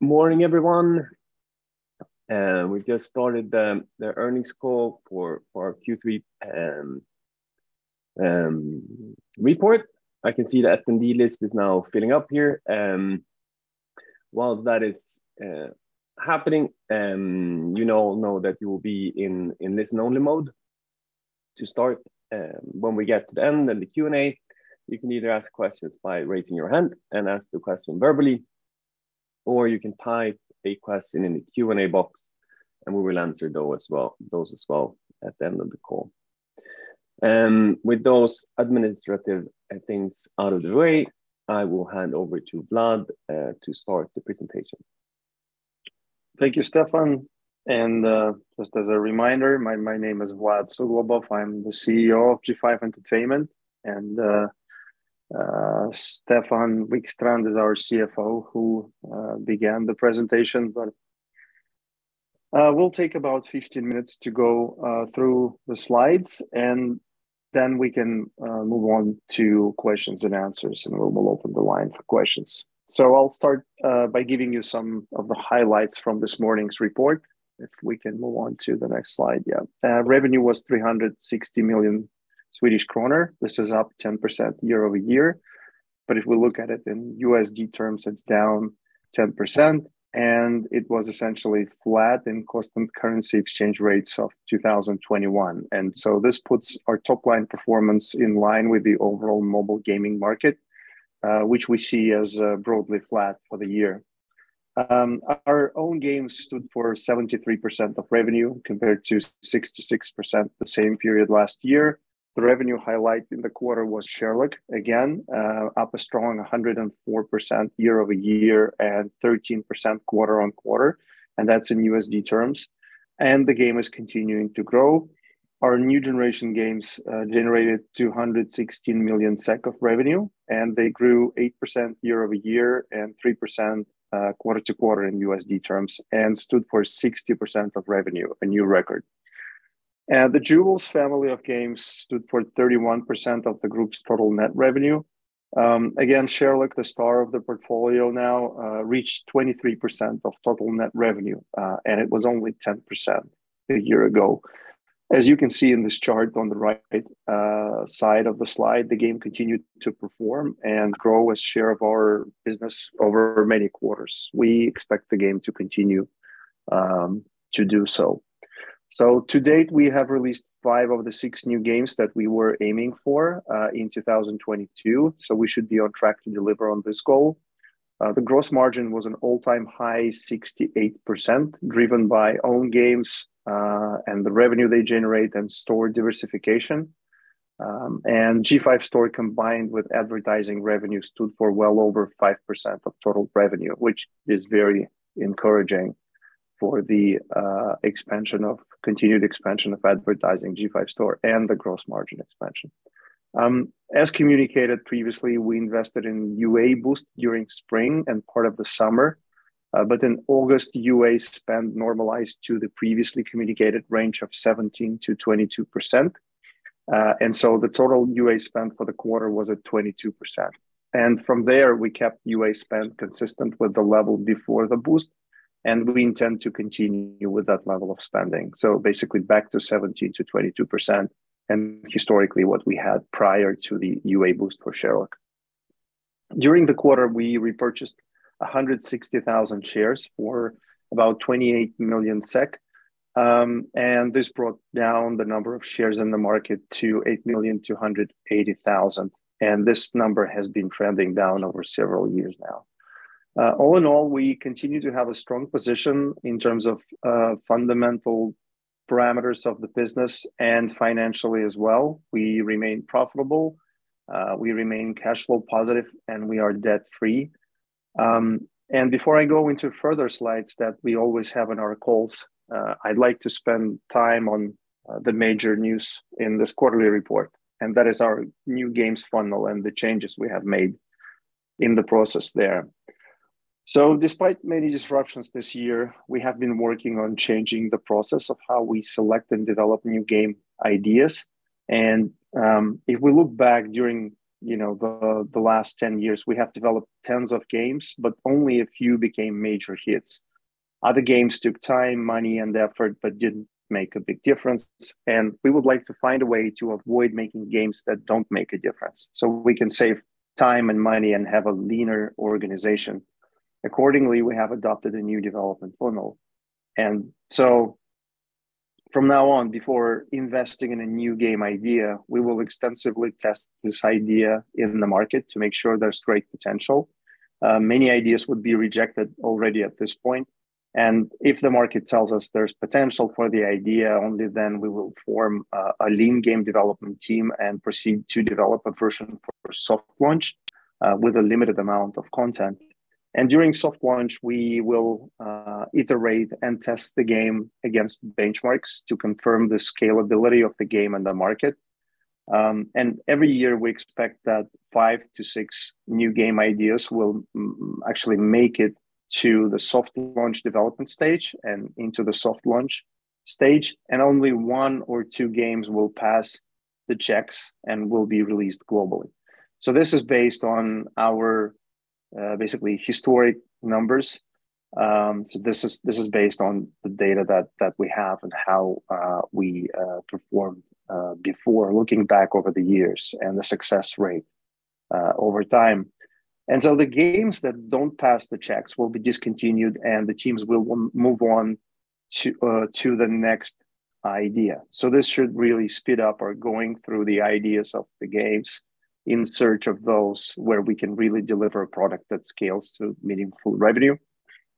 Morning, everyone. We just started the earnings call for our Q3 report. I can see the attendee list is now filling up here. While that is happening, you now know that you will be in listen-only mode to start. When we get to the end, then the Q&A, you can either ask questions by raising your hand and ask the question verbally, or you can type a question in the Q&A box, and we will answer those as well at the end of the call. With those administrative things out of the way, I will hand over to Vlad to start the presentation. Thank you, Stefan. Just as a reminder, my name is Vlad Suglobov. I'm the Chief Executive Officer of G5 Entertainment. Stefan Wikstrand is our Chief Financial Officer, who began the presentation. We'll take about 15 minutes to go through the slides, and then we can move on to questions and answers, and we'll open the line for questions. I'll start by giving you some of the highlights from this morning's report. If we can move on to the next slide. Revenue was 360 million Swedish kronor. This is up 10% year-over-year. If we look at it in USD terms, it's down 10%, and it was essentially flat in constant currency exchange rates of 2021. This puts our top-line performance in line with the overall mobile gaming market, which we see as broadly flat for the year. Our own games stood for 73% of revenue, compared to 66% the same period last year. The revenue highlight in the quarter was Sherlock again, up a strong 104% year-over-year and 13% quarter-over-quarter, and that's in USD terms. The game is continuing to grow. Our new generation games generated 216 million SEK of revenue, and they grew 8% year-over-year and 3% quarter-over-quarter in USD terms and stood for 60% of revenue, a new record. The Jewels family of games stood for 31% of the group's total net revenue. Again, Sherlock, the star of the portfolio now, reached 23% of total net revenue, and it was only 10% a year ago. As you can see in this chart on the right side of the slide, the game continued to perform and grow as share of our business over many quarters. We expect the game to continue to do so. To date, we have released five of the six new games that we were aiming for in 2022, so we should be on track to deliver on this goal. The gross margin was an all-time high 68%, driven by own games and the revenue they generate and store diversification. G5 Store combined with advertising revenue stood for well over 5% of total revenue, which is very encouraging for the continued expansion of advertising G5 Store and the gross margin expansion. As communicated previously, we invested in UA boost during spring and part of the summer. In August, UA spend normalized to the previously communicated range of 17%-22%. The total UA spend for the quarter was at 22%. From there, we kept UA spend consistent with the level before the boost, and we intend to continue with that level of spending. Basically back to 17%-22% and historically what we had prior to the UA boost for Sherlock. During the quarter, we repurchased 160,000 shares for about 28 million SEK. This brought down the number of shares in the market to 8,280,000, and this number has been trending down over several years now. All in all, we continue to have a strong position in terms of fundamental parameters of the business and financially as well. We remain profitable, we remain cash flow positive, and we are debt-free. Before I go into further slides that we always have in our calls, I'd like to spend time on the major news in this quarterly report, and that is our new games funnel and the changes we have made in the process there. Despite many disruptions this year, we have been working on changing the process of how we select and develop new game ideas. If we look back during you know the last 10 years, we have developed tens of games, but only a few became major hits. Other games took time, money and effort, but didn't make a big difference. We would like to find a way to avoid making games that don't make a difference, so we can save time and money and have a leaner organization. Accordingly, we have adopted a new development funnel. From now on, before investing in a new game idea, we will extensively test this idea in the market to make sure there's great potential. Many ideas would be rejected already at this point. If the market tells us there's potential for the idea, only then we will form a lean game development team and proceed to develop a version for soft launch with a limited amount of content. During soft launch, we will iterate and test the game against benchmarks to confirm the scalability of the game and the market. Every year, we expect that five to six new game ideas will actually make it to the soft launch development stage and into the soft launch stage, and only one or two games will pass the checks and will be released globally. This is based on our basically historic numbers. This is based on the data that we have and how we performed before looking back over the years and the success rate over time. The games that don't pass the checks will be discontinued, and the teams will move on to the next idea. This should really speed up our going through the ideas of the games in search of those where we can really deliver a product that scales to meaningful revenue,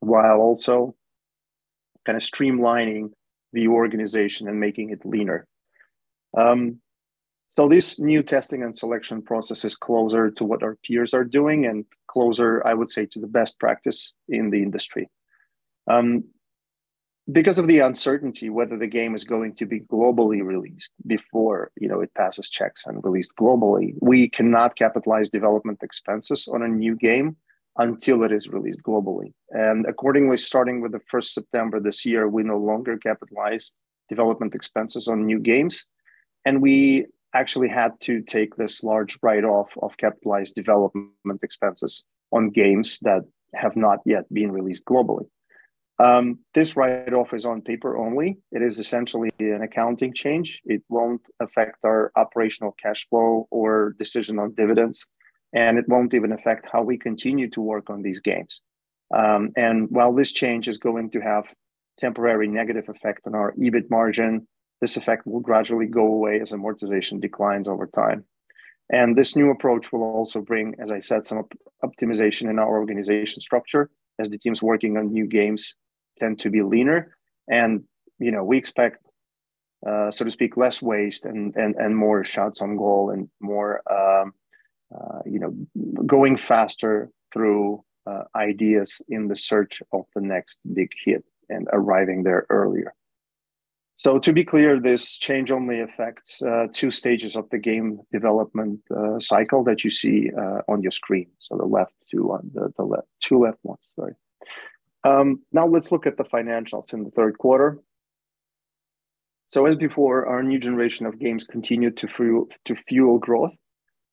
while also kind of streamlining the organization and making it leaner. This new testing and selection process is closer to what our peers are doing and closer, I would say, to the best practice in the industry. Because of the uncertainty whether the game is going to be globally released before, you know, it passes checks and released globally, we cannot capitalize development expenses on a new game until it is released globally. Accordingly, starting with the first September this year, we no longer capitalize development expenses on new games, and we actually had to take this large write-off of capitalized development expenses on games that have not yet been released globally. This write-off is on paper only. It is essentially an accounting change. It won't affect our operational cash flow or decision on dividends, and it won't even affect how we continue to work on these games. While this change is going to have temporary negative effect on our EBITDA margin, this effect will gradually go away as amortization declines over time. This new approach will also bring, as I said, some optimization in our organization structure as the teams working on new games tend to be leaner and, you know, we expect, so to speak, less waste and more shots on goal and more, you know, going faster through ideas in the search of the next big hit and arriving there earlier. To be clear, this change only affects two stages of the game development cycle that you see on your screen. The two left ones, sorry. Now let's look at the financials in the third quarter. As before, our new generation of games continued to fuel growth.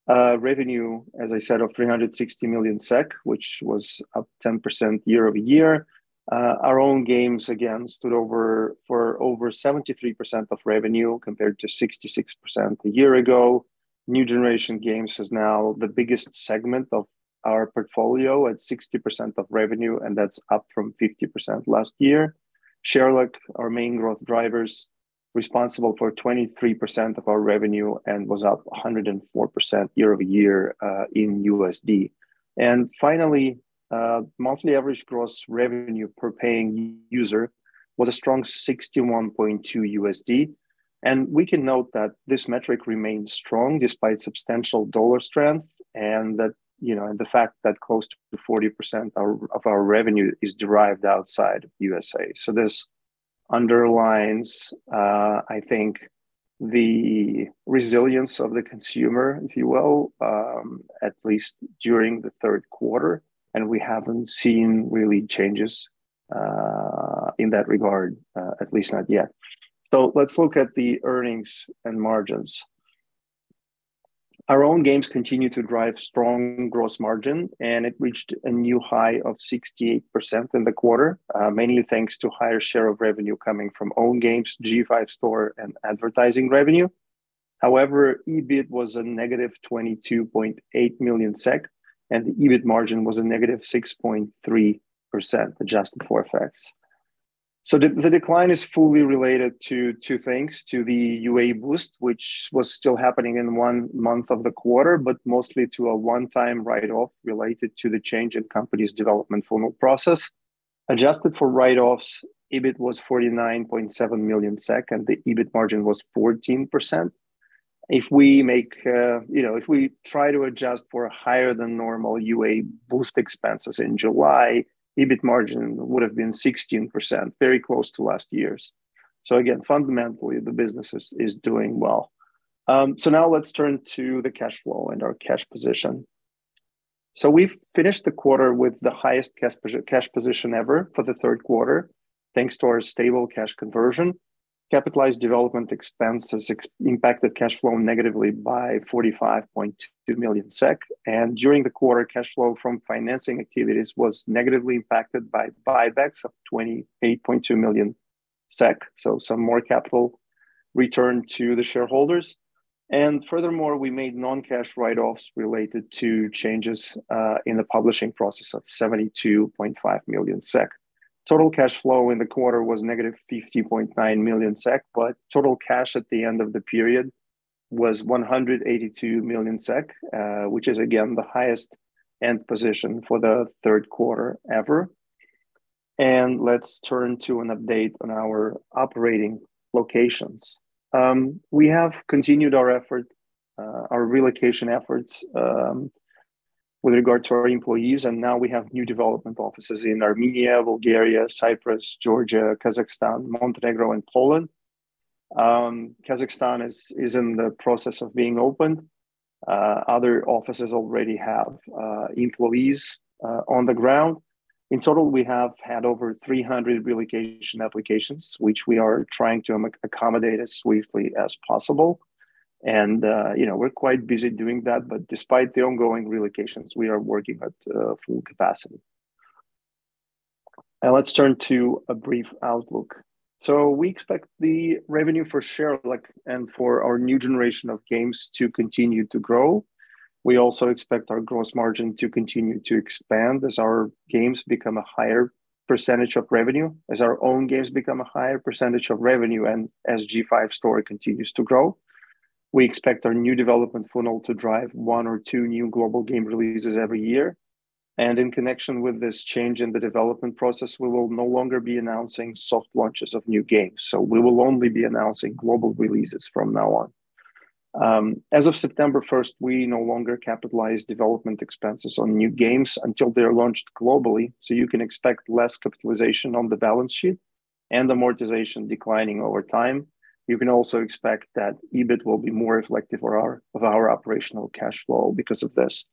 Revenue, as I said, of 360 million SEK, which was up 10% year-over-year. Our own games again accounted for over 73% of revenue compared to 66% a year ago. New generation games is now the biggest segment of our portfolio at 60% of revenue, and that's up from 50% last year. Sherlock, our main growth driver, is responsible for 23% of our revenue and was up 104% year-over-year, in USD. Finally, monthly average gross revenue per paying user was a strong $61.2. We can note that this metric remains strong despite substantial dollar strength and that, you know, the fact that close to 40% of our revenue is derived outside of USA. This underlines, I think, the resilience of the consumer, if you will, at least during the third quarter, and we haven't seen really changes, in that regard, at least not yet. Let's look at the earnings and margins. Our own games continue to drive strong gross margin, and it reached a new high of 68% in the quarter, mainly thanks to higher share of revenue coming from own games, G5 Store and advertising revenue. However, EBITDA was -22.8 million SEK, and the EBIT margin was -6.3%, adjusted for effects. The decline is fully related to two things, to the UA boost, which was still happening in one month of the quarter, but mostly to a one-time write-off related to the change in company's development funnel process. Adjusted for write-offs, EBITDA was 49.7 million SEK, and the EBITDA margin was 14%. If we make, you know, if we try to adjust for a higher than normal UA boost expenses in July, EBIT margin would have been 16%, very close to last year's. Again, fundamentally, the business is doing well. Now let's turn to the cash flow and our cash position. We've finished the quarter with the highest cash position ever for the third quarter, thanks to our stable cash conversion. Capitalized development expenses impacted cash flow negatively by 45.2 million SEK. During the quarter, cash flow from financing activities was negatively impacted by buybacks of 28.2 million SEK, so some more capital returned to the shareholders. Furthermore, we made non-cash write-offs related to changes in the publishing process of 72.5 million SEK. Total cash flow in the quarter was -50.9 million SEK, but total cash at the end of the period was 182 million SEK, which is again the highest end position for the third quarter ever. Let's turn to an update on our operating locations. We have continued our effort, our relocation efforts, with regard to our employees, and now we have new development offices in Armenia, Bulgaria, Cyprus, Georgia, Kazakhstan, Montenegro and Poland. Kazakhstan is in the process of being opened. Other offices already have employees on the ground. In total, we have had over 300 relocation applications, which we are trying to accommodate as swiftly as possible. You know, we're quite busy doing that. Despite the ongoing relocations, we are working at full capacity. Now let's turn to a brief outlook. We expect the revenue for Sherlock and for our new generation of games to continue to grow. We also expect our gross margin to continue to expand as our games become a higher percentage of revenue, as our own games become a higher percentage of revenue, and as G5 Store continues to grow. We expect our new development funnel to drive one or two new global game releases every year. In connection with this change in the development process, we will no longer be announcing soft launches of new games. We will only be announcing global releases from now on. As of September first, we no longer capitalize development expenses on new games until they are launched globally. You can expect less capitalization on the balance sheet and amortization declining over time. You can also expect that EBITDA will be more reflective of our operational cash flow because of this.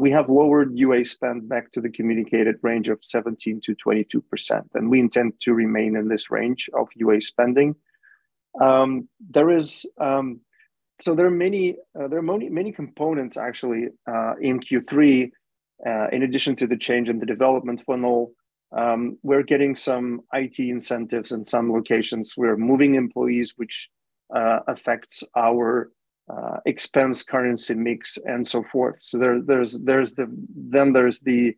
We have lowered UA spend back to the communicated range of 17%-22%, and we intend to remain in this range of UA spending. There are many components actually in Q3, in addition to the change in the development funnel. We're getting some IT incentives in some locations. We're moving employees, which affects our expense currency mix and so forth. Then there's the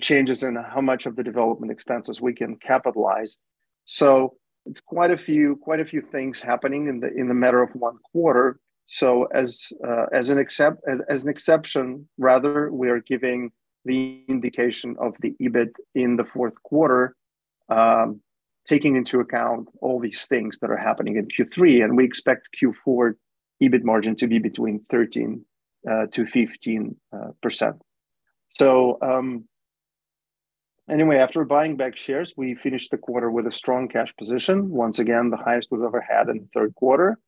changes in how much of the development expenses we can capitalize. It's quite a few things happening in the matter of one quarter. As an exception, rather, we are giving the indication of the EBITDA in the fourth quarter, taking into account all these things that are happening in Q3, and we expect Q4 EBIT margin to be between 13%-15%. Anyway, after buying back shares, we finished the quarter with a strong cash position. Once again, the highest we've ever had in the third quarter.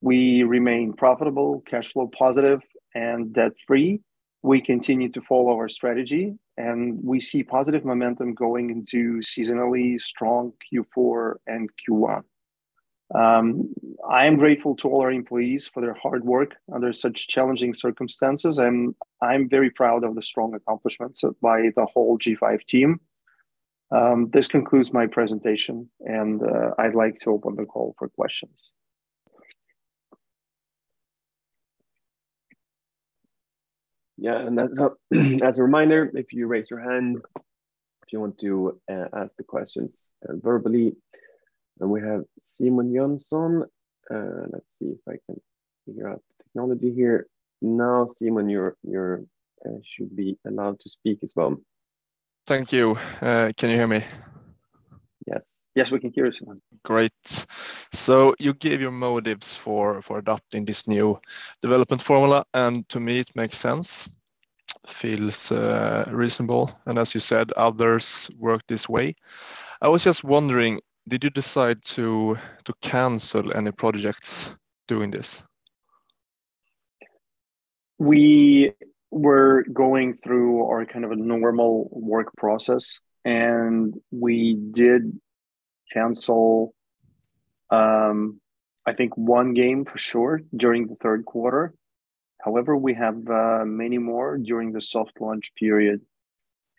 We remain profitable, cash flow positive, and debt-free. We continue to follow our strategy, and we see positive momentum going into seasonally strong Q4 and Q1. I am grateful to all our employees for their hard work under such challenging circumstances, and I'm very proud of the strong accomplishments by the whole G5 team. This concludes my presentation, and I'd like to open the call for questions. Yeah. As a reminder, if you raise your hand, if you want to ask the questions verbally. We have Simon Jönsson. Let's see if I can figure out the technology here. Now, Simon, you should be allowed to speak as well. Thank you. Can you hear me? Yes. Yes, we can hear you, Simon. Great. So you gave your motives for adopting this new development funnel, and to me, it makes sense, feels reasonable. As you said, others work this way. I was just wondering, did you decide to cancel any projects doing this? We were going through our kind of a normal work process, and we did cancel, I think one game for sure during the third quarter. However, we have many more during the soft launch period.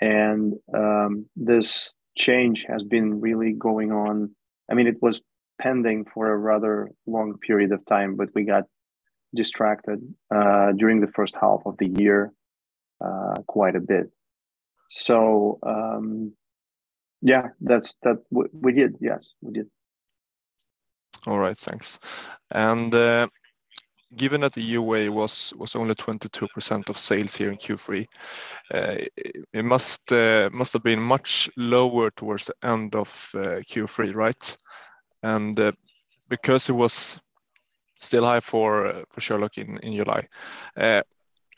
This change has been really going on. I mean, it was pending for a rather long period of time, but we got distracted during the first half of the year quite a bit. Yeah, that's that. We did. Yes, we did. All right. Thanks. Given that the UA was only 22% of sales here in Q3, it must have been much lower towards the end of Q3, right? Because it was still high for Sherlock in July,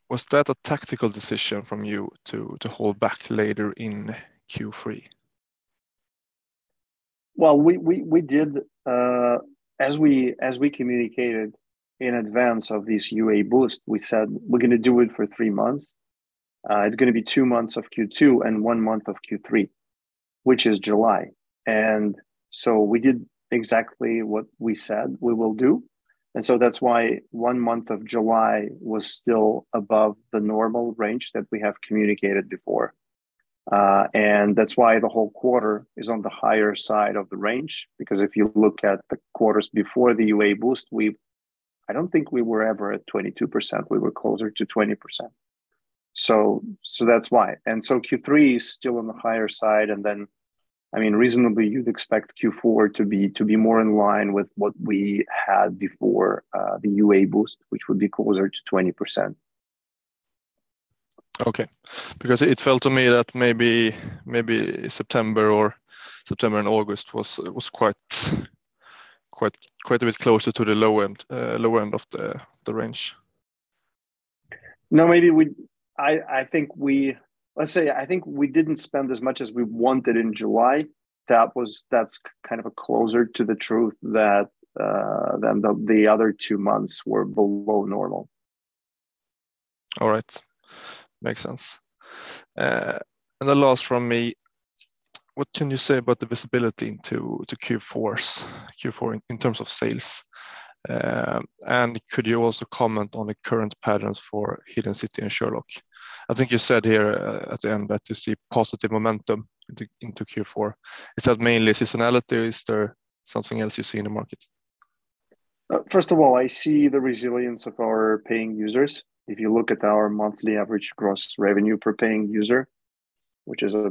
was that a tactical decision from you to hold back later in Q3? Well, we did as we communicated in advance of this UA boost. We said we're gonna do it for three months. It's gonna be two months of Q2 and one month of Q3, which is July. We did exactly what we said we will do. That's why one month of July was still above the normal range that we have communicated before. That's why the whole quarter is on the higher side of the range, because if you look at the quarters before the UA boost, we, I don't think we were ever at 22%. We were closer to 20%. That's why. Q3 is still on the higher side, and then, I mean, reasonably, you'd expect Q4 to be more in line with what we had before, the UA boost, which would be closer to 20%. Okay. Because it felt to me that maybe September and August was quite a bit closer to the low end of the range. No, maybe. Let's say, I think we didn't spend as much as we wanted in July. That's kind of a closer to the truth than the other two months were below normal. All right. Makes sense. The last from me, what can you say about the visibility into Q4 in terms of sales? Could you also comment on the current patterns for Hidden City and Sherlock? I think you said here, at the end that you see positive momentum into Q4. Is that mainly seasonality or is there something else you see in the market? First of all, I see the resilience of our paying users. If you look at our monthly average gross revenue per paying user, which is a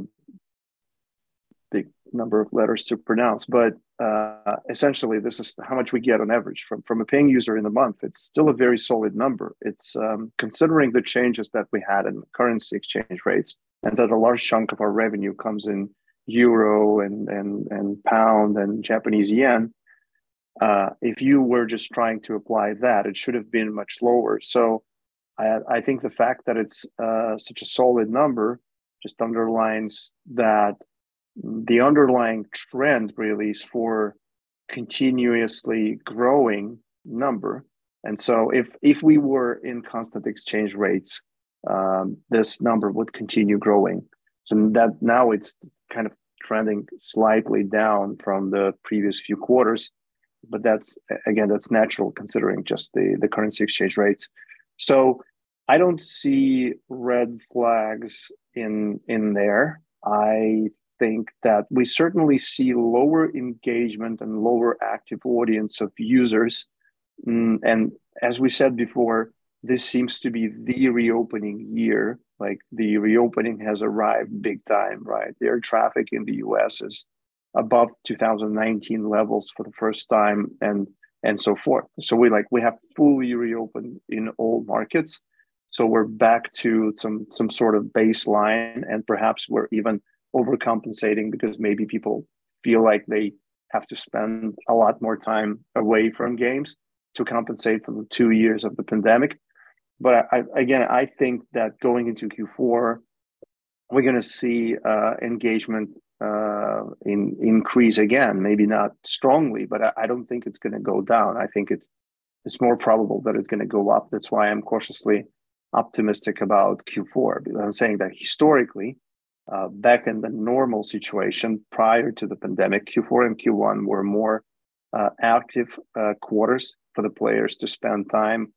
big number of letters to pronounce. Essentially, this is how much we get on average from a paying user in a month. It's still a very solid number. It's considering the changes that we had in currency exchange rates, and that a large chunk of our revenue comes in euro and pound and Japanese yen. If you were just trying to apply that, it should have been much lower. I think the fact that it's such a solid number just underlines that the underlying trend really is for continuously growing number. If we were in constant exchange rates, this number would continue growing. That now it's kind of trending slightly down from the previous few quarters. That's again, that's natural considering just the currency exchange rates. I don't see red flags in there. I think that we certainly see lower engagement and lower active audience of users. This seems to be the reopening year, like the reopening has arrived big time, right? The air traffic in the U.S. is above 2019 levels for the first time, and so forth. Like, we have fully reopened in all markets, so we're back to some sort of baseline, and perhaps we're even overcompensating because maybe people feel like they have to spend a lot more time away from games to compensate for the two years of the pandemic. I think that going into Q4, we're gonna see engagement increase again. Maybe not strongly, but I don't think it's gonna go down. I think it's more probable that it's gonna go up. That's why I'm cautiously optimistic about Q4, because I'm saying that historically, back in the normal situation prior to the pandemic, Q4 and Q1 were more active quarters for the players to spend time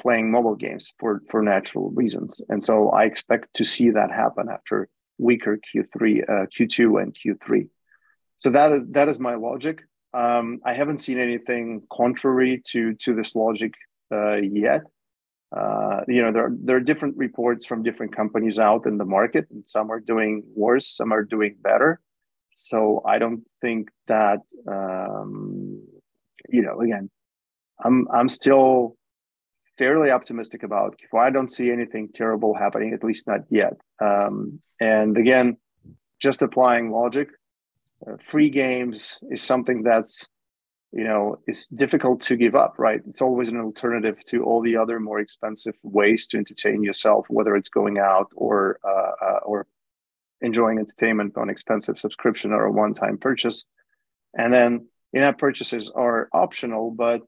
playing mobile games for natural reasons. I expect to see that happen after weaker Q3, Q2 and Q3. That is my logic. I haven't seen anything contrary to this logic yet. You know, there are different reports from different companies out in the market, and some are doing worse, some are doing better. I don't think that. Again, I'm still fairly optimistic about Q4. I don't see anything terrible happening, at least not yet. Again, just applying logic, free games is something that's, you know, difficult to give up, right? It's always an alternative to all the other more expensive ways to entertain yourself, whether it's going out or enjoying entertainment on expensive subscription or a one-time purchase. In-app purchases are optional, but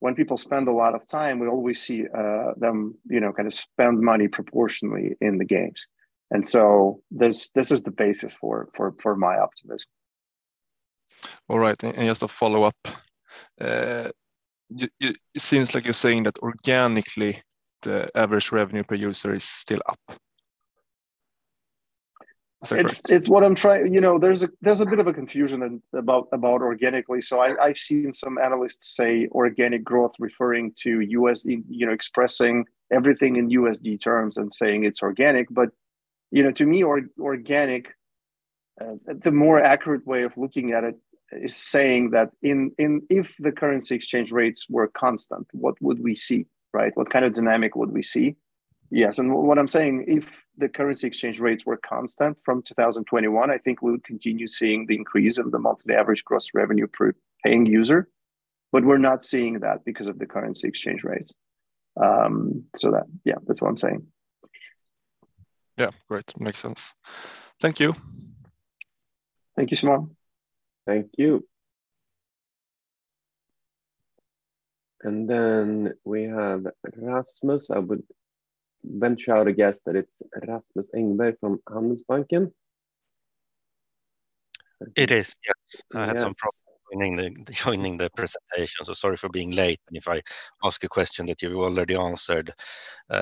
when people spend a lot of time, we always see them, you know kind of spend money proportionally in the games. This is the basis for my optimism. All right. Just a follow-up. It seems like you're saying that organically, the average revenue per user is still up. Is that correct? It's what I'm trying. You know, there's a bit of a confusion about organically. I've seen some analysts say organic growth referring to USD, you know, expressing everything in USD terms and saying it's organic. You know, to me, organic, the more accurate way of looking at it is saying that if the currency exchange rates were constant, what would we see, right? What kind of dynamic would we see? Yes. What I'm saying, if the currency exchange rates were constant from 2021, I think we would continue seeing the increase of the monthly average gross revenue per paying user, but we're not seeing that because of the currency exchange rates. Yeah, that's what I'm saying. Yeah, great. Makes sense. Thank you. Thank you, Simon. Thank you. We have Rasmus. I would venture a guess that it's Rasmus Engberg from Handelsbanken. It is, yes. Yes. I had some problems joining the presentation, so sorry for being late. If I ask a question that you already answered,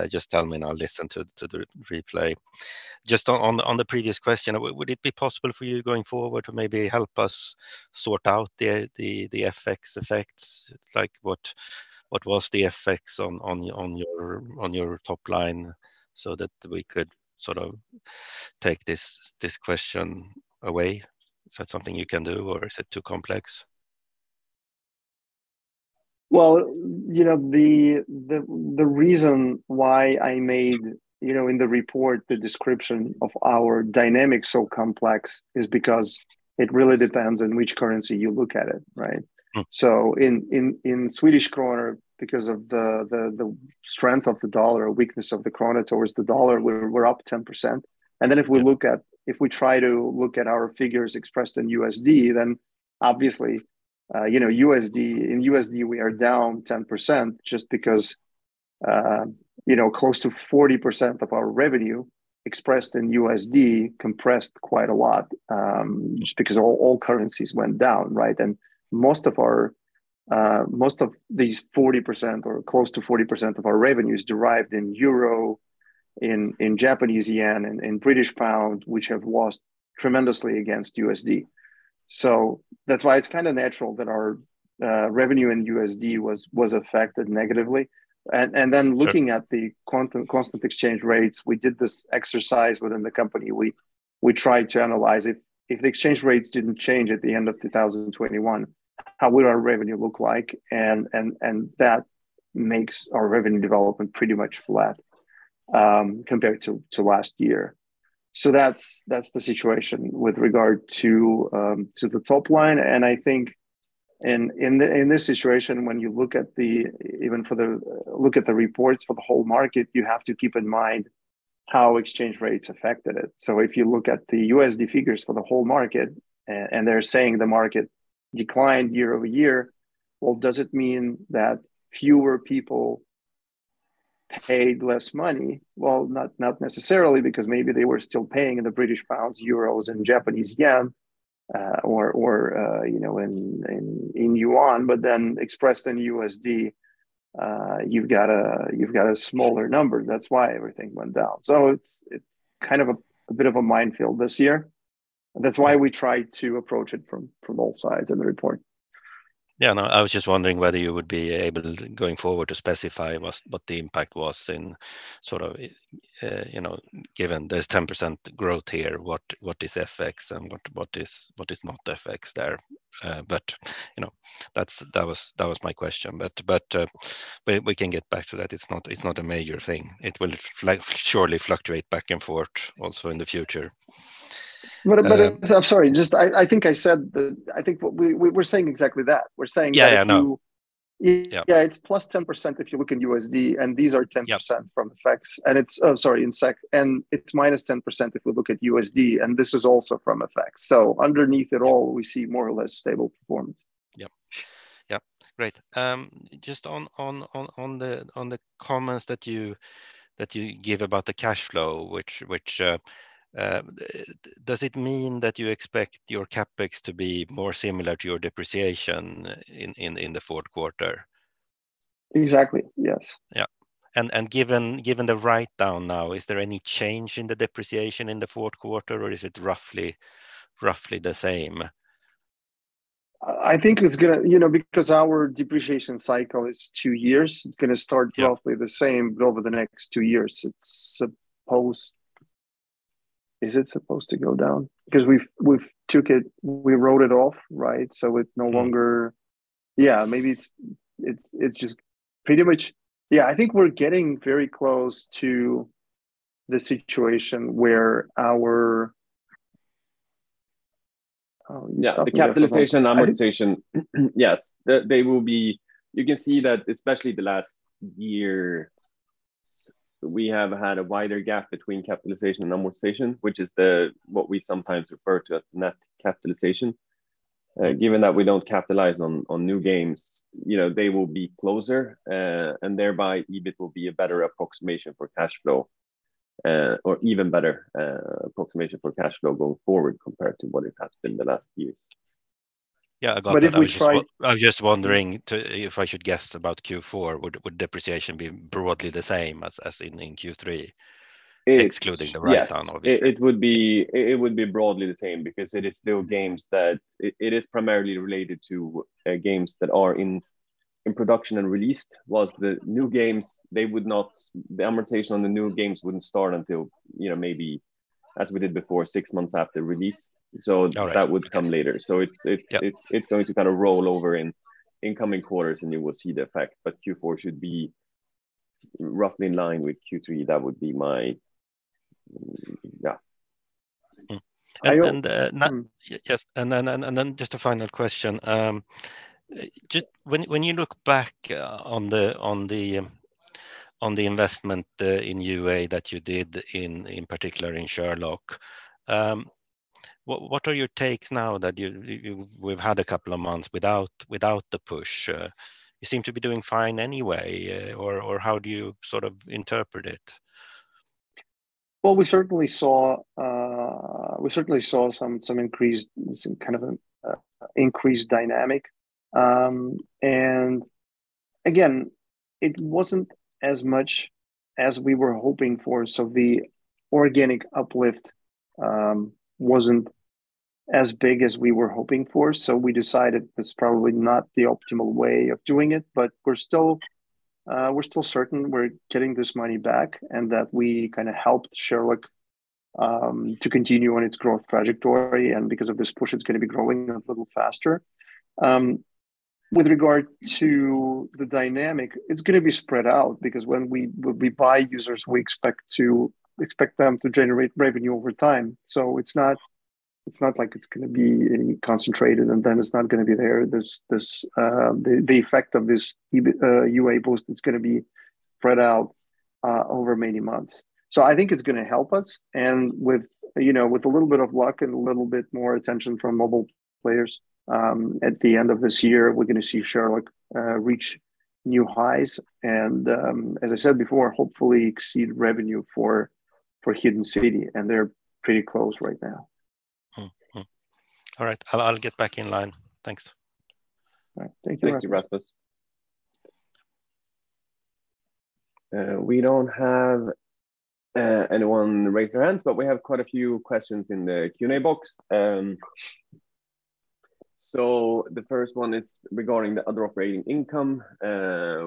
just tell me and I'll listen to the replay. Just on the previous question, would it be possible for you going forward to maybe help us sort out the FX effects? Like what was the effects on your top line so that we could sort of take this question away? Is that something you can do or is it too complex? Well, you know, the reason why I made, you know, in the report the description of our dynamics so complex is because it really depends on which currency you look at it, right? Mm-hmm. In Swedish krona, because of the strength of the dollar or weakness of the krona toward the dollar, we're up 10%. If we look at- Yeah If we try to look at our figures expressed in USD, then obviously, you know, in USD we are down 10% just because, you know, close to 40% of our revenue expressed in USD compressed quite a lot, just because all currencies went down, right? Most of our most of these 40% or close to 40% of our revenue is derived in euro, in Japanese yen, in British pound, which have lost tremendously against USD. That's why it's kind of natural that our revenue in USD was affected negatively. Then looking. Sure At constant exchange rates, we did this exercise within the company. We tried to analyze it. If the exchange rates didn't change at the end of 2021, how would our revenue look like? That makes our revenue development pretty much flat compared to last year. That's the situation with regard to the top line. I think in this situation, when you look at the reports for the whole market, you have to keep in mind how exchange rates affected it. If you look at the USD figures for the whole market, and they're saying the market declined year-over-year, well, does it mean that fewer people paid less money? Well, not necessarily because maybe they were still paying in the British pounds, euros, and Japanese yen, or you know, in yuan, but then expressed in US dollars, you've got a smaller number. That's why everything went down. It's kind of a bit of a minefield this year. That's why we try to approach it from all sides in the report. Yeah, no, I was just wondering whether you would be able, going forward, to specify what the impact was in sort of, you know, given there's 10% growth here, what is FX and what is not FX there? But, you know, that's. That was my question. But we can get back to that. It's not a major thing. It will surely fluctuate back and forth also in the future. I'm sorry, just, I think we're saying exactly that. We're saying that you. Yeah, I know. Yeah. Yeah, it's +10% if you look in USD. Yeah 10% from FX. It's in SEK, it's minus 10% if we look at USD, this is also from FX. Underneath it all, we see more or less stable performance. Yep. Great. Just on the comments that you give about the cash flow, which does it mean that you expect your CapEx to be more similar to your depreciation in the fourth quarter? Exactly, yes. Yeah. Given the write-down now, is there any change in the depreciation in the fourth quarter, or is it roughly the same? I think, you know, because our depreciation cycle is two years, it's gonna start. Yeah roughly the same over the next two years. Is it supposed to go down? Because we wrote it off, right? It no longer- Yeah. Yeah, maybe it's just pretty much. Yeah, I think we're getting very close to the situation where our. Oh, you stopped me there for a moment. Yeah, the capitalization amortization. Yes. They will be. You can see that especially the last year we have had a wider gap between capitalization and amortization, which is what we sometimes refer to as net capitalization. Given that we don't capitalize on new games, you know, they will be closer, and thereby EBIT will be a better approximation for cash flow, or even better approximation for cash flow going forward compared to what it has been the last years. Yeah, I got that. I was just. But if we try- I was just wondering if I should guess about Q4, would depreciation be broadly the same as in Q3. Excluding the write-down, obviously. Yes. It would be broadly the same because it is primarily related to games that are in production and released, while the new games they would not, the amortization on the new games wouldn't start until, you know, maybe, as we did before, six months after release. All right. That would come later. Yeah It's going to kind of roll over in incoming quarters, and you will see the effect. Q4 should be roughly in line with Q3. Yes. Then just a final question. When you look back on the investment in UA that you did in particular in Sherlock, what are your takes now that we've had a couple of months without the push? You seem to be doing fine anyway, or how do you sort of interpret it? Well, we certainly saw some kind of an increased dynamic. Again, it wasn't as much as we were hoping for. The organic uplift wasn't as big as we were hoping for. We decided that's probably not the optimal way of doing it. We're still certain we're getting this money back and that we kind of helped Sherlock to continue on its growth trajectory and because of this push, it's going to be growing a little faster. With regard to the dynamic, it's going to be spread out because when we buy users, we expect them to generate revenue over time. It's not like it's going to be any concentrated and then it's not going to be there. There's this effect of this UA boost, it's going to be spread out over many months. I think it's going to help us and with, you know, with a little bit of luck and a little bit more attention from mobile players at the end of this year, we're going to see Sherlock reach new highs. As I said before, hopefully exceed revenue for Hidden City and they're pretty close right now. All right. I'll get back in line. Thanks. All right. Thank you, Rasmus. Thank you, Rasmus. We don't have anyone raise their hands, but we have quite a few questions in the Q&A box. The first one is regarding the other operating income,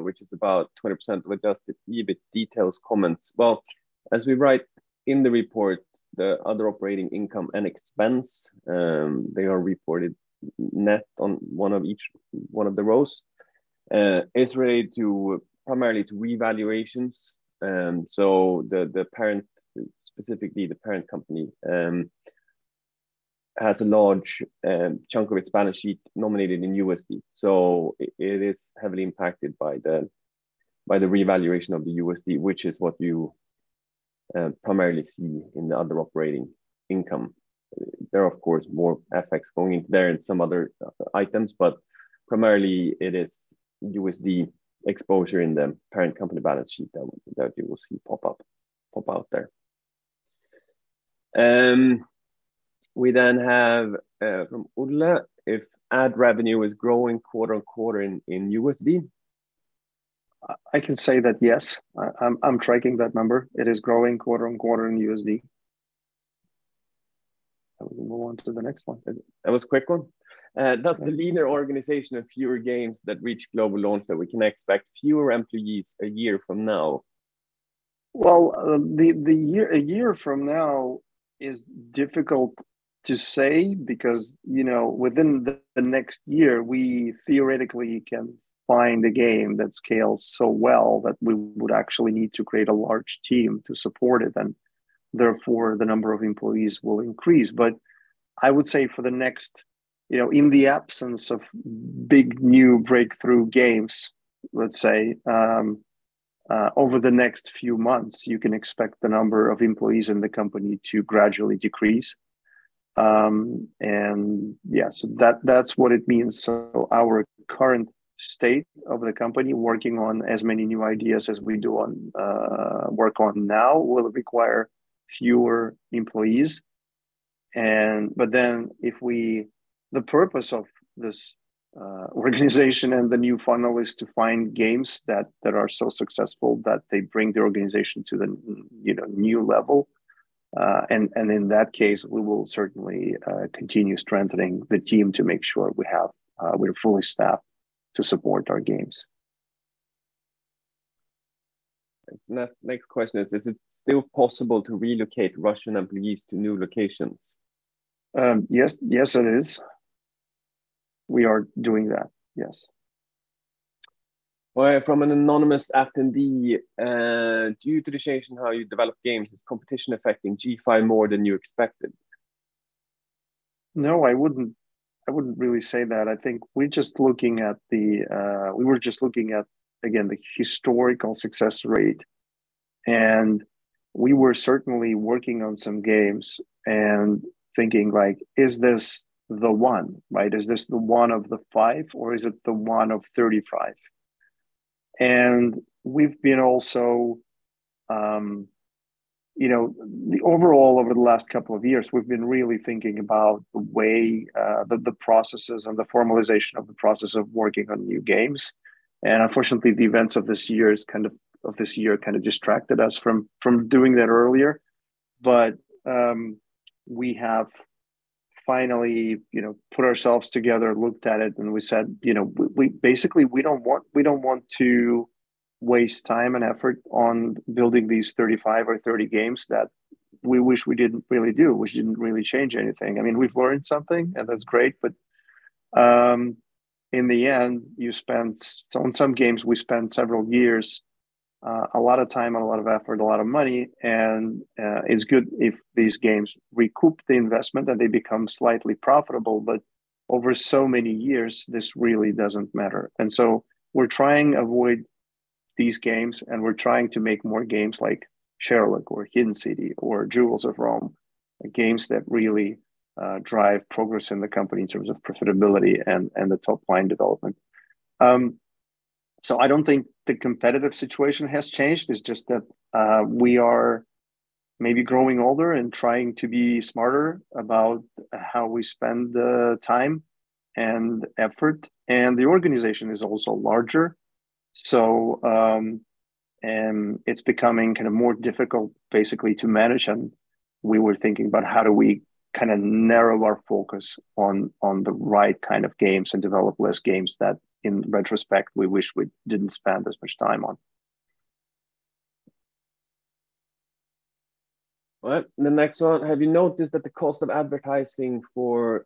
which is about 20% of adjusted EBITDA details comments. Well, as we write in the report, the other operating income and expense, they are reported net on one of the rows, is related primarily to revaluations. The parent, specifically the parent company, has a large chunk of its balance sheet denominated in USD. It is heavily impacted by the revaluation of the USD, which is what you primarily see in the other operating income. There are of course more effects going into there and some other items, but primarily it is USD exposure in the parent company balance sheet that you will see pop up, pop out there. We then have from Udler, if ad revenue is growing quarter on quarter in USD? I can say that yes, I'm tracking that number. It is growing quarter-over-quarter in USD. We can move on to the next one. That was a quick one. Does the leaner organization of fewer games that reach global launch that we can expect fewer employees a year from now? Well, a year from now is difficult to say because, you know within the next year, we theoretically can find a game that scales so well that we would actually need to create a large team to support it. Therefore the number of employees will increase. I would say for the next, you know, in the absence of big new breakthrough games, let's say over the next few months, you can expect the number of employees in the company to gradually decrease. Yes, that's what it means. Our current state of the company working on as many new ideas as we work on now will require fewer employees. The purpose of this organization and the new funnel is to find games that are so successful that they bring the organization to the, you know, new level. In that case, we will certainly continue strengthening the team to make sure we're fully staffed to support our games. Next question is it still possible to relocate Russian employees to new locations? Yes, it is. We are doing that. Yes. From an anonymous attendee, due to the change in how you develop games, is competition affecting G5 more than you expected? No, I wouldn't really say that. I think we were just looking at, again, the historical success rate and we were certainly working on some games and thinking like, is this the one, right? Is this the one of the five or is it the one of 35? We've been also, you know, overall over the last couple of years, we've been really thinking about the way, the processes and the formalization of the process of working on new games. Unfortunately the events of this year is kind of distracted us from doing that earlier. We have finally, you know, put ourselves together, looked at it and we said, you know, we basically, we don't want to waste time and effort on building these 35 or 30 games that we wish we didn't really do, which didn't really change anything. I mean, we've learned something and that's great, but in the end you spent on some games, we spent several years, a lot of time and a lot of effort, a lot of money. It's good if these games recoup the investment that they become slightly profitable, but over so many years, this really doesn't matter. We're trying to avoid these games and we're trying to make more games like Sherlock or Hidden City or Jewels of Rome, games that really drive progress in the company in terms of profitability and the top line development. I don't think the competitive situation has changed. It's just that we are maybe growing older and trying to be smarter about how we spend the time and effort and the organization is also larger. It's becoming kind of more difficult basically to manage. We were thinking about how do we kind of narrow our focus on the right kind of games and develop less games that in retrospect, we wish we didn't spend as much time on. Well, the next one, have you noticed that the cost of advertising for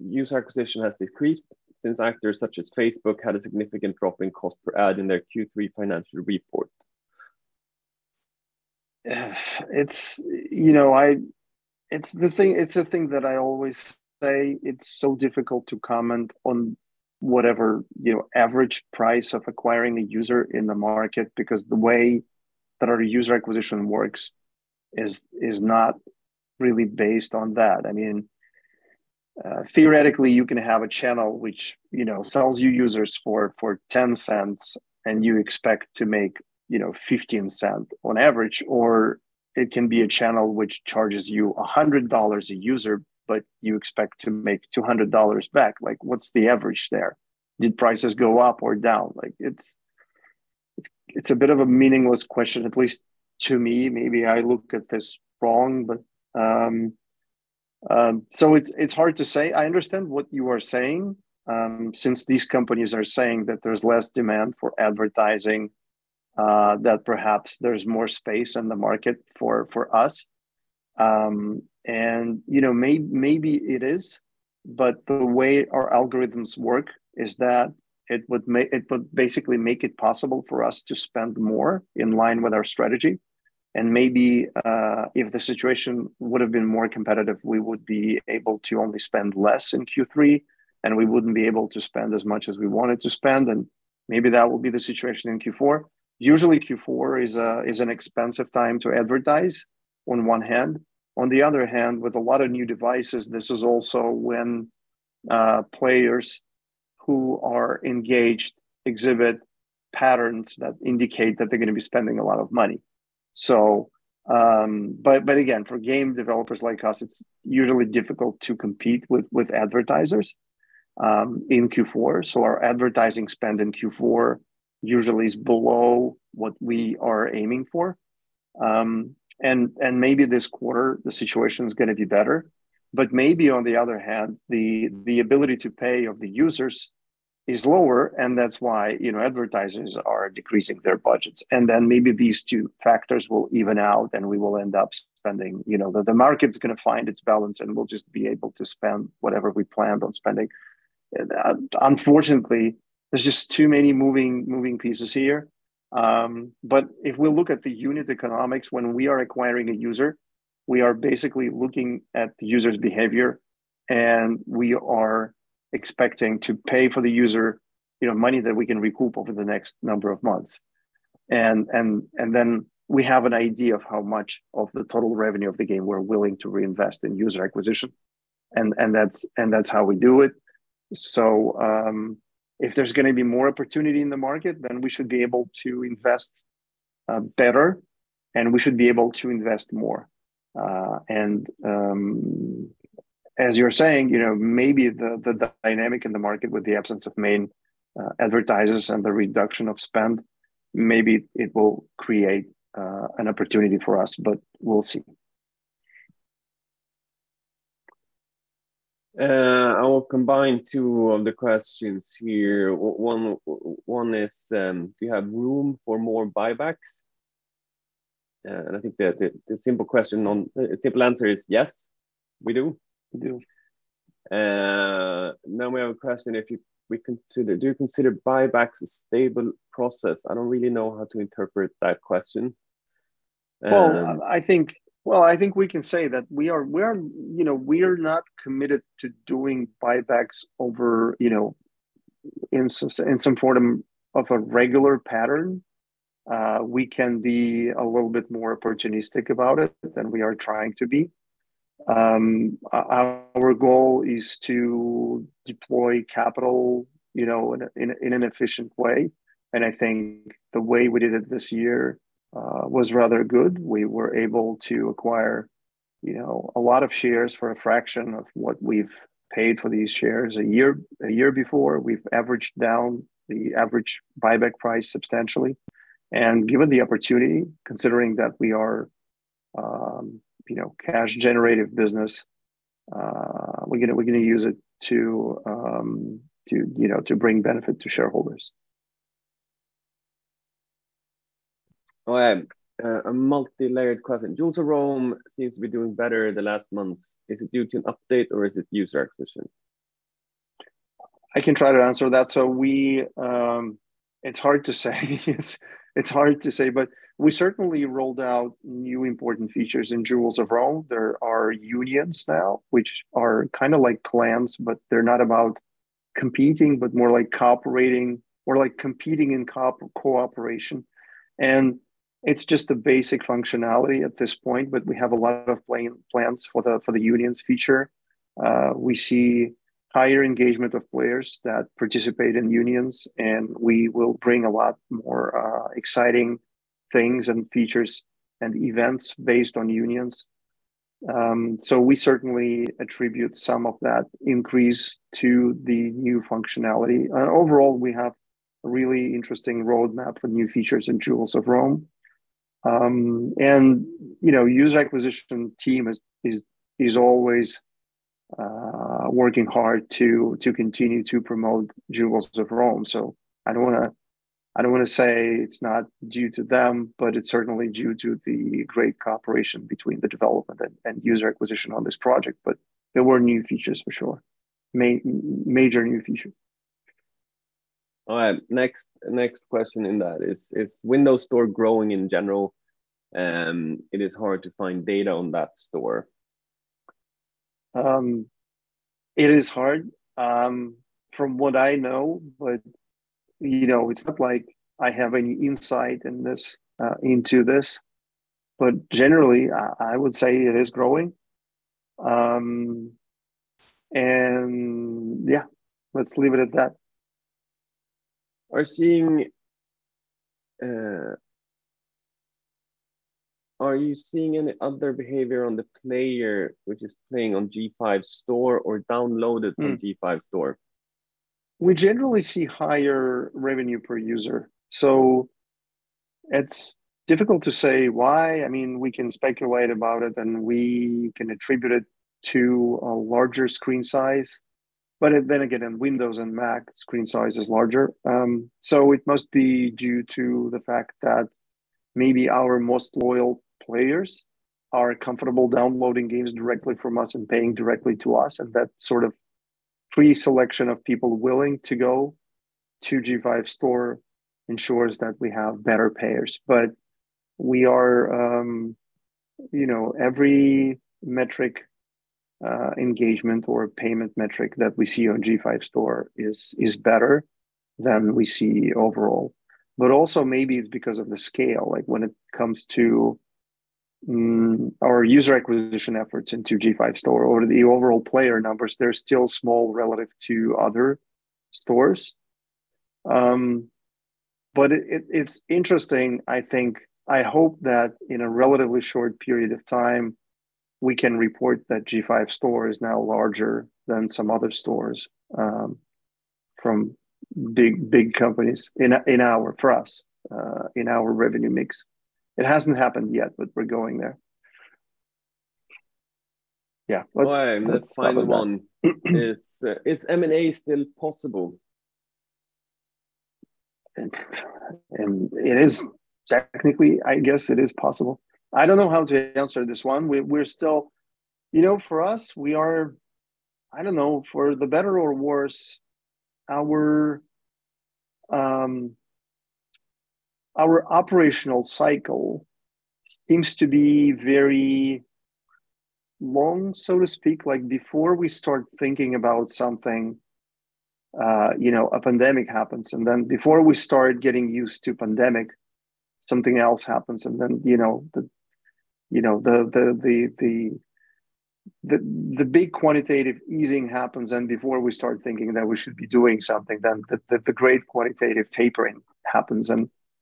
user acquisition has decreased since actors such as Facebook had a significant drop in cost per ad in their Q3 financial report? Yeah. It's, you know, it's the thing that I always say it's so difficult to comment on whatever, you know, average price of acquiring a user in the market because the way that our user acquisition works is not really based on that. I mean, theoretically, you can have a channel which, you know, sells you users for $0.10 and you expect to make, you know, $0.15 on average, or it can be a channel which charges you $100 a user, but you expect to make $200 back. Like, what's the average there? Did prices go up or down? Like, it's a bit of a meaningless question, at least to me. Maybe I look at this wrong, but it's hard to say. I understand what you are saying, since these companies are saying that there's less demand for advertising, that perhaps there's more space in the market for us. You know, maybe it is, but the way our algorithms work is that it would basically make it possible for us to spend more in line with our strategy. Maybe, if the situation would have been more competitive, we would be able to only spend less in Q3, and we wouldn't be able to spend as much as we wanted to spend, and maybe that will be the situation in Q4. Usually, Q4 is an expensive time to advertise on one hand. On the other hand, with a lot of new devices, this is also when players who are engaged exhibit patterns that indicate that they're gonna be spending a lot of money. But again, for game developers like us, it's usually difficult to compete with advertisers in Q4. Our advertising spend in Q4 usually is below what we are aiming for. Maybe this quarter, the situation is gonna be better. Maybe on the other hand, the ability to pay of the users is lower, and that's why, you know, advertisers are decreasing their budgets. Then maybe these two factors will even out, and we will end up spending. You know, the market's gonna find its balance, and we'll just be able to spend whatever we planned on spending. Unfortunately, there's just too many moving pieces here. If we look at the unit economics, when we are acquiring a user, we are basically looking at the user's behavior, and we are expecting to pay for the user, you know, money that we can recoup over the next number of months. Then we have an idea of how much of the total revenue of the game we're willing to reinvest in user acquisition, and that's how we do it. If there's gonna be more opportunity in the market, then we should be able to invest better, and we should be able to invest more. As you're saying, you know, maybe the dynamic in the market with the absence of main advertisers and the reduction of spend, maybe it will create an opportunity for us, but we'll see. I will combine two of the questions here. One is, do you have room for more buybacks? I think the simple answer is yes, we do. We do. Now we have a question, do you consider buybacks a stable process? I don't really know how to interpret that question. I think we can say that we are, you know, we are not committed to doing buybacks over, you know, in some form of a regular pattern. We can be a little bit more opportunistic about it than we are trying to be. Our goal is to deploy capital, you know, in an efficient way. I think the way we did it this year was rather good. We were able to acquire, you know, a lot of shares for a fraction of what we've paid for these shares a year before. We've averaged down the average buyback price substantially. Given the opportunity, considering that we are, you know, cash generative business, we're gonna use it to, you know, to bring benefit to shareholders. All right. A multilayered question. Jewels of Rome seems to be doing better the last months. Is it due to an update or is it user acquisition? I can try to answer that. It's hard to say. It's hard to say, but we certainly rolled out new important features in Jewels of Rome. There are unions now, which are kinda like clans, but they're not about competing, but more like cooperating or like competing in cooperation. It's just a basic functionality at this point, but we have a lot of plans for the unions feature. We see higher engagement of players that participate in unions, and we will bring a lot more exciting things and features and events based on unions. We certainly attribute some of that increase to the new functionality. Overall, we have a really interesting roadmap for new features in Jewels of Rome. You know, user acquisition team is always working hard to continue to promote Jewels of Rome. I don't wanna say it's not due to them, but it's certainly due to the great cooperation between the development and user acquisition on this project. There were new features for sure. Major new features. All right. Next question in that is Microsoft Store growing in general? It is hard to find data on that store. It is hard, from what I know, but you know, it's not like I have any insight into this. Generally I would say it is growing. Yeah, let's leave it at that. Are you seeing any other behavior on the player which is playing on G5 Store or downloaded. Mm From G5 Store? We generally see higher revenue per user. It's difficult to say why. I mean, we can speculate about it, and we can attribute it to a larger screen size. In Windows and Mac, screen size is larger. It must be due to the fact that maybe our most loyal players are comfortable downloading games directly from us and paying directly to us, and that sort of pre-selection of people willing to go to G5 Store ensures that we have better payers. We are. You know, every metric, engagement or payment metric that we see on G5 Store is better than we see overall. Also maybe it's because of the scale, like when it comes to, our user acquisition efforts into G5 Store or the overall player numbers, they're still small relative to other stores. It's interesting, I think. I hope that in a relatively short period of time, we can report that G5 Store is now larger than some other stores from big companies in our revenue mix. It hasn't happened yet, but we're going there. Yeah, let's stop at that. All right. The final one. Is M&A still possible? It is. Technically, I guess it is possible. I don't know how to answer this one. You know, for us, we are, I don't know, for the better or worse, our operational cycle seems to be very long, so to speak. Like, before we start thinking about something, you know, a pandemic happens, and then before we start getting used to pandemic, something else happens and then, you know, the big quantitative easing happens, and before we start thinking that we should be doing something, then the great quantitative tapering happens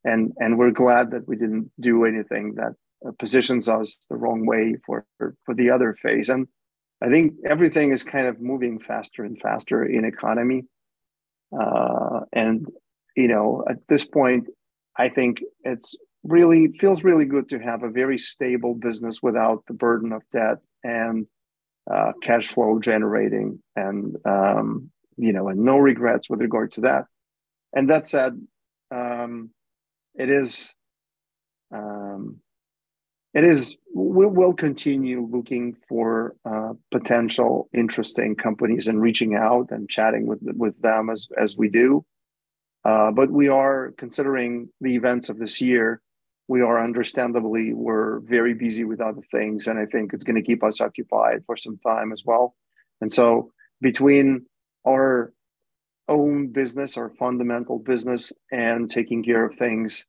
and we're glad that we didn't do anything that positions us the wrong way for the other phase. I think everything is kind of moving faster and faster in economy. You know, at this point, I think it feels really good to have a very stable business without the burden of debt and cash flow generating and you know and no regrets with regard to that. That said, it is. We'll continue looking for potential interesting companies and reaching out and chatting with them as we do. But we are considering the events of this year. We are understandably very busy with other things, and I think it's gonna keep us occupied for some time as well. Between our own business, our fundamental business, and taking care of things,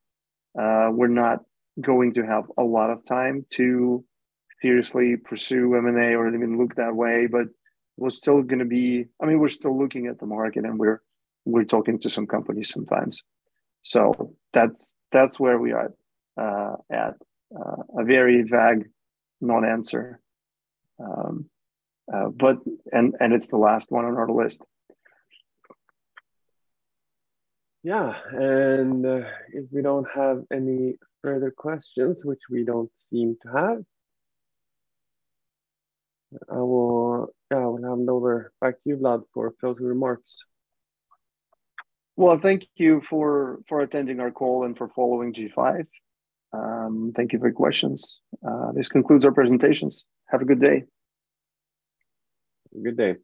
we're not going to have a lot of time to seriously pursue M&A or even look that way. We're still gonna be. I mean, we're still looking at the market, and we're talking to some companies sometimes. That's where we are at a very vague non-answer. It's the last one on our list. Yeah. If we don't have any further questions, which we don't seem to have, I will hand over back to you, Vlad, for closing remarks. Well, thank you for attending our call and for following G5. Thank you for your questions. This concludes our presentations. Have a good day. Have a good day.